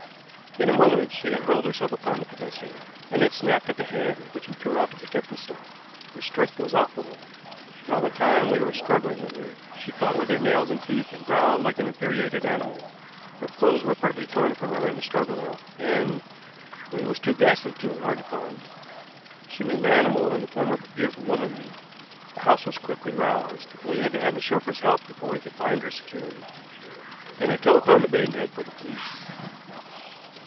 In a moment she had hurled herself upon the professor, and had snapped at the hand which he threw out to protect himself. Her strength was awful, and all the time we were struggling with her she fought with her nails and teeth, and growled like an infuriated animal. Her clothes were partly torn from her in the struggle, and but it was too ghastly to enlarge upon. She was an animal in the form of a beautiful woman. The house was quickly roused, and we had to have the chauffeur's help before we could bind her securely. Then I telephoned to Maidenhead for the police.